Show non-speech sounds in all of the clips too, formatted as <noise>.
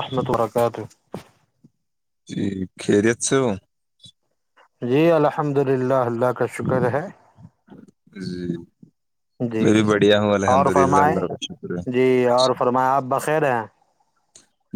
اح میں تارا قید جی کے جچ جی الحمد للہ اللہ کا شکر ہے جی جی میں بھی بڑھیا ہوں الحمد اور للہ فرمائیں اللہ کا شکر ہے جی اور فرمائیں آپ بخیر ہیں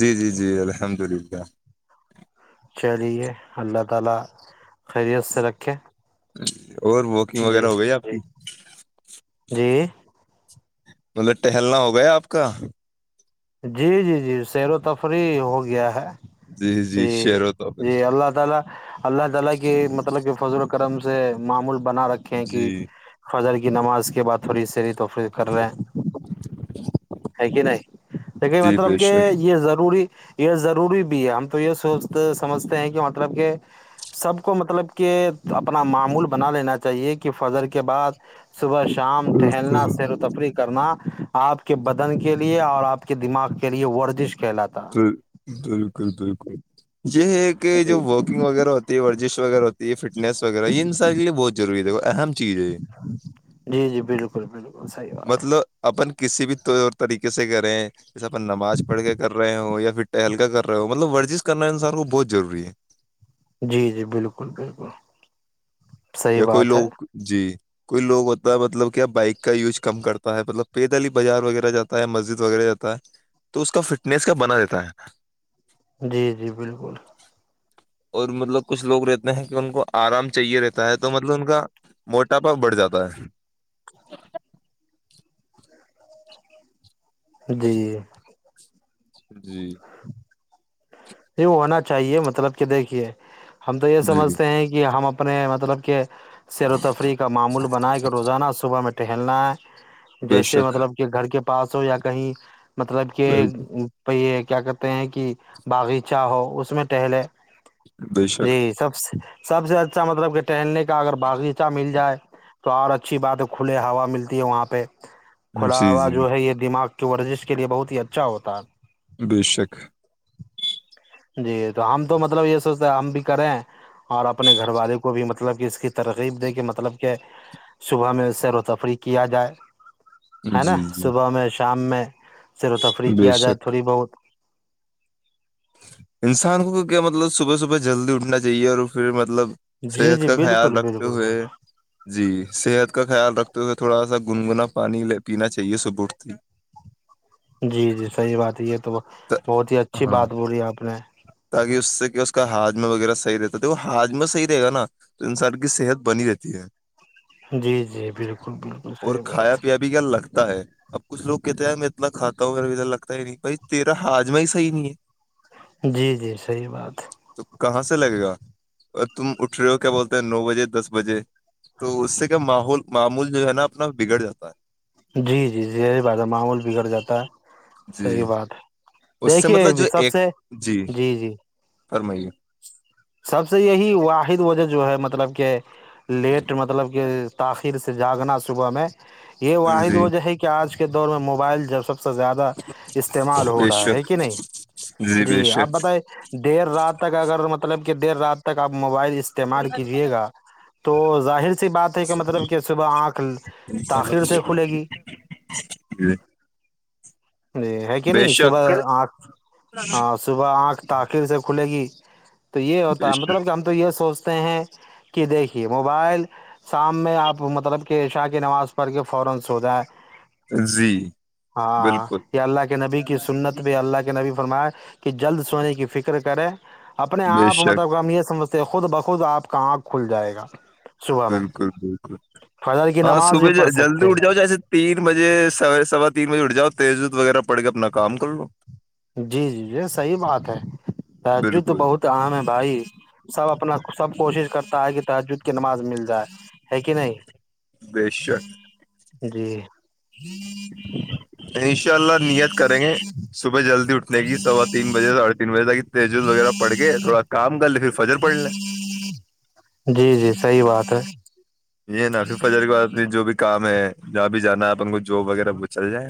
جی جی جی الحمد للہ تعالا خیریت سے رکھیں اور واکنگ وغیرہ ہو گئی آپ کی جی مطلب ٹہلنا ہوگیا آپ کا جی جی جی سیر و تفری ہو گیا ہے جی شیر و تفری جی اللہ تعالا اللہ تعالا کی مطلب کہ فضل کرم سے معمول بنا رکھے ہیں کہ جی فجر کی نماز کے بع تھوڑی سری تو کر رہ ہے کہ نہیں دیکے جی بے مطلب کہ شک یہ ضرور یہ ضروری بھی ہے ہم تو یہ سو سمجھتے ہیں کہ مطلب کہ سب کو مطلب کہ اپنا معمول بنا لینا چاہیے کہ فضر کے بعد صبح شام ٹہلنا بالکل سیر و تفریح کرنا آپ کے بدن کے لیے اور آپ کے کے دماغ کے لیے ورزش کے بالکل بالکل یہ ہے کہ جی جو واکنگ وغیرہ ہو ورزش وغیر ہوتی یہ ف نس وغیرہ یہ ساری لی بہت ج جوورا اہم چیز ہے یہ۔ جی جی بالکل بالکل صحیح بات مطلب اپن کسی بھی طریقے سے کریں جسے اپ نماز پڑھ کے کر رہے ہووں یا پھر پہل کاا کر رہا ہو مطلب ورزش کرنا انسان کو بہت ضروری ہے جی جی بالکل بالکل صحیح یا کوئی بات ہے لوگ جی کوئی لوگ ہوتا ہے مطلب کیا بائک کا یوز کم کرتا ہے مطلب پید علی بازار وغیرہ جاتا ہے مسجد وغیرہ جاتا ہے تو اس کا فٹنیس کا بنا دیتا ہے نا جی جی بالکل اور مطلب کچھ لوگ رہتے ہیں کہ ان کو آرام چاہیے رہتے تا ہے تو مطلب ان کا موٹاپا بڑھ جاتا ہے جی جی یہ ہونا چاہیے مطلب کہ دیکھیے ہم تو یہ جی سمجھتے ہیں کہ ہم م نے مطلب کیا سیر و تفریح کا معمول بناائے کے روزانہ صبح میں تھنا بے جیسے شک مطلب کہ گھر کے پاس ہو یا کہیں مطلب کہ پئی کیا کہتے ہیں کہ باغیچہ ہو اس میں ٹہلے بے شک جی سب سے سب سے اچھا مطلب کہ ٹہلنے کا اگر باغیچہ مل جائے تو اور اچھی بات ہے کھلے ہوا ملتی ہے وہاں پہ کھلا جی ہووا جی جو ہے یہ دماغ جو ورزش کے لیے بہت ہی اچھا ہوتا ہے بے شک جی تو ہم تو مطلب یہ سوچتے ہم بھی کریں اور اپنے گھر والے کو بھی مطلب کہ اس کی ترغیب دے کے مطلب کہ صبح میں اس سیر و تفری کیا جائے ہے نا جی جی صبح میں شام میں سیر و تفریح بے کیا جائے شک تھوڑی بہت انسان کو کیا مطلب صبح صبح جلدی اٹھنا چاہیے اور پھر مطلب جی صحت جی کا خیال بالکل رکھتے بالکل ہوئے بالکل جی صحت کا خیال رکھ توے تھوڑا سا گنگنا پانیے پینا چاہیے صبح اٹتی جی جی صحیح بات یہ تو تا- بہت ہی اچھی ہاں بات بو رہ آپ نے تاکہ اس سے کیا اس کا ہاجم وغیرہ صحیح رہتا تھا وہ ہاج میں صحی رہے گا نا تو انسان کی صحت بنی رہتی ہے جی جی بالکل بالکل اور صحیح کھایا بات پیا بھی کیا لگتا ہے اب کچھ لوگ کہتے ہیں میں اتنا کھاتا وغیرہ لگتا ہے نہیں ب تیرا ہاجما ہی صحی نہیں ہے جی جی صحیح بات تو کہاں سے لگے گا اور تم اٹھ رہے ہو کیا بولتے ہیں نو بجے دس بجے تو اس سے کیا ماحول معمول جو ہے نا اپنا بگڑ جاتا ہے جی جی ری بات ہے معاول بگڑ جاتا <inaudible> جی صحیح بات ہے اس سے مطلب جو دیکھیے سب ایک سے جی جی فرمائیے <inaudible> سب سے یہی واحد وجہ جو ہے مطلب کہ لیٹ مطلب کہ طاقت سر سے جاگنا صبح میں یہ واحد جی وجہ ہے کہ آج دور میں موبائل جب سک سے زیادہ استعمال ہو بے رہا ہے شک کہ نہیں بے جی آپ شک بتائ دیر رات تک اگر مطلب کہ دیر رات تک آپ موبائل اس استعمال کیجیے گا تو ظاہر سی بات ہے کہ مطلب کہ صبح آنکھ تاخیر سے جی کھلے گی جی ہے کہ بے نہیں صبح شک آھ ہاں صبح آٹھ تاخیر سے کھلے گی تو یہ بے ہوتا ہے شک مطلب کہ ہم تو یہ سوچ جی <unintelligible> ہاں بالکل یا اللہ کے نبی کی سنت بھی اللہ کے نبی فرماش کہ جلد سونے کی فکر کریں اپنے بے آپ شک مطلب یہ سمجھ خود بخود آپ کا آنکھ کھل جائے گا صبح میں بالکل بالکل فجر کی ہاں نماز صبح بھی پڑھ جلدی سکتے ہیں اٹھ جؤ جیسے تین بجے س سوا تین بجے اٹھ جاؤ تیزت وغیرہ پڑ کے اپنا کام کر لو جی جی یہ صحی بات ہے رج تو بالکل بہت عام ہے بھائی سب اپنا سب کوشش کرتا ہے کہ تحجد کی نماز مل جائے ہے کہ نہیں بے شک <inaudible> جی انشاء اللہ نیت کریں گے صبح جلدی اٹھنے کی سوا تین بجے ساڑھے تین بجے تک تیجز وغیرہ پڑ کے تھوڑا کام کر لے پھر فجر پڑ لیں جی جی صحیح بات ہے یہ ناف فجر کے بد میں جو بھی کام ہے جہاں بھی جانا ہے ان کو جاب وغیرہ وہ چل جائے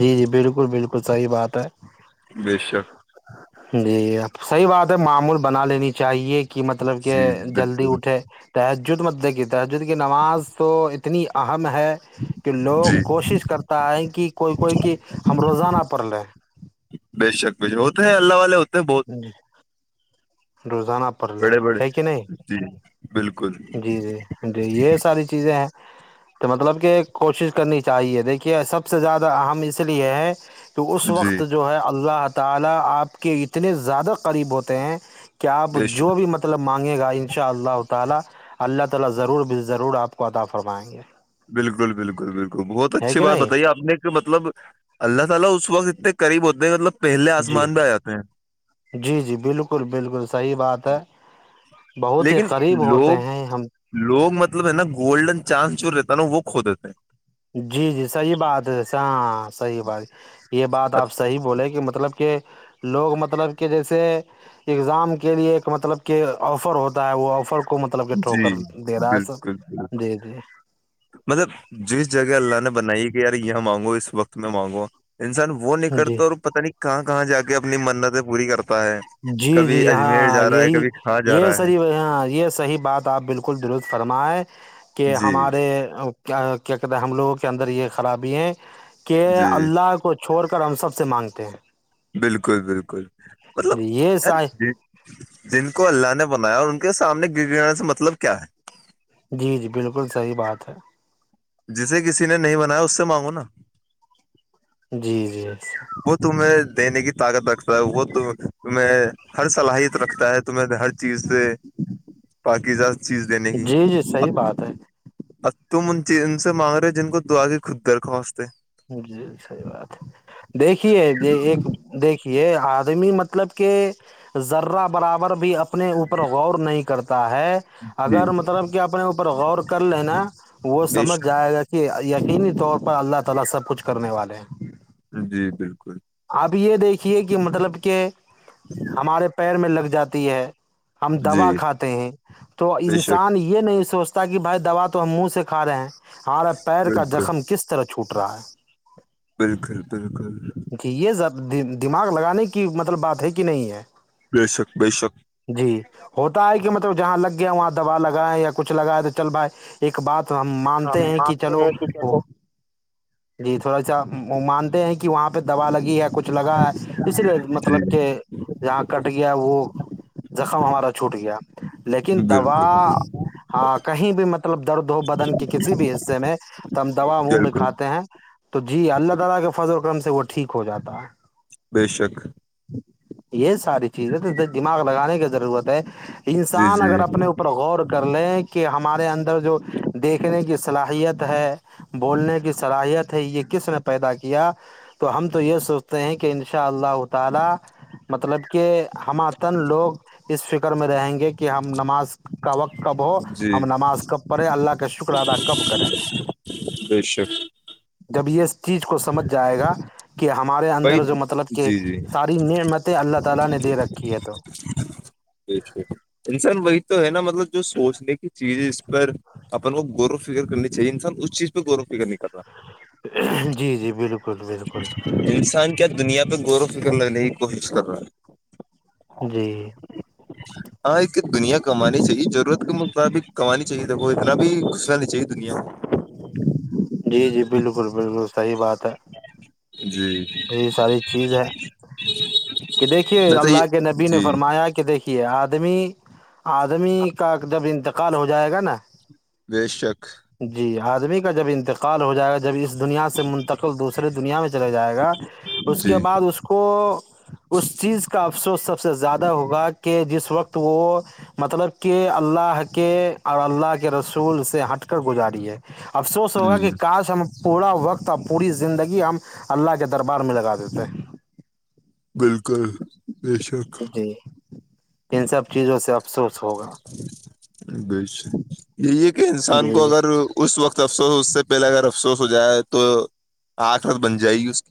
جی جی بالکل بالکل صحیح بات ہے بے شک جیب صحیح بات ہے معمول بنا لینی چاہیے کہ مطلب کہ جی جی جلدی بالکل اٹھے تو جو مدے تجد کی نماز تو اتنی آ ہم ہے کہ لوگ جی کوشش کرتا ہے کہ کوئی کوئی کہ ہم روزانہ پڑ رہے بے شک ب ہو تو ہے اللہ والے ہو ہی <inaudible> روز <inaudible> بڑے بڑے جی بالکل جی جی جی یہ ساری چیزیں ہیں تو مطلب کہ کوشش کرنی چاہیے دیکھیے سب سے زیادہ اہم اس لیے ہے تو اس جی وقت جو ہے اللہ تعالا آپ کے اتنے زیادہ قریب ہوتے ہیں کہ کیا آپ بے جو شک بھی مطلب مانگے گا ان شاء اللہ تالا اللہ تعالی ضرور اپ کو عطا فرمائیں گے بالکل بالکل بالکل بہت ہے اچھی کہ بات نہیں بتائی اپ نے مطلب اللہ تعالی اس وقت اتنے قریب ہوتے ہیں مطلب پہلے جی آسمان پہ آ جاتے ہیں جی جی بالکل بالکل صحی بات ہے جی۔ بہت ہی لیکن قریب ہوتے لوگ ہیں ہم لوگ مطلب ہے نا گولڈن چانس چور رہتے د وہ کھو دیتے ہیں جی جی صحیح بات ہے ہاں صحیح بات یہ بات آپ صحیح بولے کہ مطلب کہ لوگ مطلب کہ جیسے ایگزام کے لیے ایک مطلب کہ آفر ہوتا ہے وہ آفر کو کو مطلب کہ اچ- جی ٹھوکر دے رہا ہے بالکل بالکل سب جی جی مطلب جس جگہ اللہ نے بنائی کہ یار یہاں مانگو اس وقت میں مانگو انسان وہ نہیں جی کرتا اور پتہ نہیں کہاں کہاں جا کے اپنی منت پوری کر جی جی ہاں یہی کبھی کہاں جا یہ رہا ہے صحیح ہاں یہ صحیح بات آپ بالکل درست فرمائے کہ جی ہمارے کیا کہتے ہیں ہم لوگوں کے اندر یہ خرابی ہیں کہ جی اللہ کو چھوڑ کر ہم سب سے مانگتے ہیں بالکل بالکل مطلب جی یہ یار صح جن کو اللہ نے بنایا اور ان کے سامنے گر گانے سے مطلب کیا ہے جی جی بالکل صحیح بات ہے تمانگ ہو نا <inaudible> جی جی وہ تمہیں دینے کی طاقت رکھتا ہے وہ ت تمہیں ہر صلاحیت رکھتا ہے تو میں نے ہر چیز سے پاکیزہ چیز دینے کی جی جی صحیح بات ہے تم ان ان سے مانگ رہے جن کو دعا کی خود درخوا جی سحی بات ہے دیکھیے ایک دیک یہ آدمی مطلب کہ ذرہ برابر بھی اپنے اوپر غور نہیں کرتا ہے جی اگر مطلب کہ اپنے اوپر غور کر لےینا وہ بے سمجھ شک جائے گا کہ ای یقینی طور پر اللہ تلا سب کچھ کرنے والے ہیں جی بالکل اب یہ دیکھیے کہ مطلب کہ ہمارے پیر میں لگ جاتی ہے ہم جی دوا کھاتے ہیں تو بے شک انسان یہ نہیں سوچتا کہ بھائی دوا تو ہم منہ سے کھا رہے ہیں ہالب پیر کا بالکل زخم کس طرح کیا چھوٹ رہا ہے بالکل بالکل زیاد دماغ لگانے کی مطلب بات ہے کہ نہیں ہے بے شک بے شک جی ہوتا ہے کہ مطلب جہاں لگ گیا وہاں دوبا لگاائے یا کچھ لگیا تو چل بھائی ایک بات تو ہم تو مانتے ہم ہیں کہ مانتے چلو ہیں کہ وہ چلو جی تھوڑا سا مانتے ہیں کہ وہاں پہ تو دوا لگی ہے جی بالکل بالکل <inaudible> ٹھیک ہو جاتا ہے بے شک یہ ساری چیزیں تو دماغ لگانے کی ضرورت ہے جی انسان اگر جی اپنے اوپر غور کر لیں کہ ہمارے اندر جو دیکھنے کی صلاحیت ہے بولنے کی صلاحیت ہے یہ کس نے پیدا کیا تو ہم تو یہ سوچتے ہیں کہ ان شاء اللہ تعالا مطلب کہ ہمات لوگ اس فکر میں رہیں گے کہ ہم نماز کق کب ہو جی ہم نماز کب پڑے اللہ کا شکر ادا کب کریں بے شک یہ اس چیز کو سمجھ جائے گا کہ کہ ہمارے بھائی اندر جو مطلب جی کہ جی ساری نعمتیں اللہ تعالا نے دے رکھی ہے تو بے شک انسان وہی تو ہے نا مطلب جو سوچنے کی چیز اس پر اپن کو غور و فکر کرنی چاہیے انسان اس چیز پہ غور و فکر نہیں کر رہا جی جی بالکل بالکل انسان کیا دنیا غور و فکر لگنے کی کوشش کر رہا ہے جی ہاں ایک دنیا کمانی چاہیے ضرورت کے مطابق کمانی چاہیے دیکھ ملبھی کسنی چاہیے دنیا سہی <inaudible> جی جی بالکل بالکل صحیح بات ہے میں۔ جی یہی ساری چیز ہے کہ دیکھیے میں تو یہ اللہ کے نبی نے جی فرمایا کہ دیکھیے آدمی آدمی کا جب انتقال ہو جائے گا نا بے شک می کا جب انتقال ہو جائے گا جب اس دنیا سے منتقل دوسرے دنیا میں چلاے جائے گا اس جی کے بعد اس کو اس چیز کا افسوس سب سے زیادہ ہوگا کہ جس وقت وہ مطلب کہ اللہ کے اور اللہ کے رسول سے ہٹ کر گزاری ہے افسوس ہوگا جی کہ کاس ہم پورا وقت ا پوری زندگی ہم اللہ کے د دربار میں لگا دیتے بالکل بے شک جی ان سب چیزوں سے افسوس ہوگا بے شک یہ کہ انسان جی کو اگر اس وقت افسوس اس سے پہلے اگر افسوس ہو جائے تو آٹھ اور بن جائے گی اس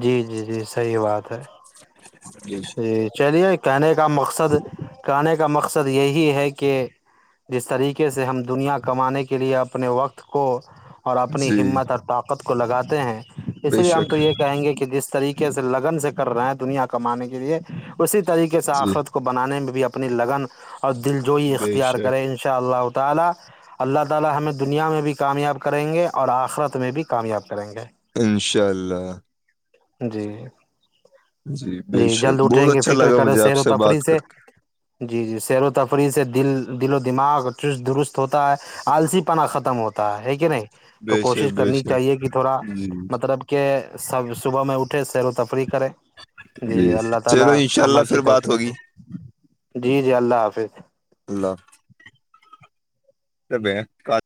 جی جی جی صحیح بات ہے کی جی چلیے کہنے کا مقصد کہنے کا مقصد مقصد یہی ہے کہ جس طریقے سے ہم دنیا کمانے کے لیے اپنے وقت کو اور اپنی جی ہمت اور طاقت کو لگاتے ہیں اس بے لیے ہم تو شک یہ کہیں گے کہ جس طریقے کیسے لگن سے کر رہے ہیں دنیا کمانے کے جی لیے اسی طریقے سے جی آخرت کو بنانے میں بھی اپنی لگن اور دل جو ہی بے اختیار شک کریں ان شاء اللہ تعالی اللہ تعالی ہمیں دنیا میں بھی کامیاب کریں گے اور اخرت میں بھی کامیاب کریں گے انشاءاللہ جی بے جی جلد شک بہت اٹھیں گے اچھا فکر لگا کریں مجھے آپ سیر و تفریح بات سے کر کے جی جی سیر و تفریح سے دل دل و دماغ چست درست ہوتا ہے آلسی پن ختم ہوتا ہے کہ نہیں تو بے کوشش شک بے کرنی شک چاہیے کہ تھوڑا جی مطلب کہ سب اٹھے سیر و تفریح کریں جی اللہ چلو تعالی انشاءاللہ عمل کی پھر بات توفیق عطا ہوگی فرماے جی جی اللہ جی اللہ دو بہن کا